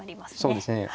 そうですね。